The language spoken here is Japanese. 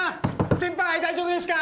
先輩大丈夫ですか？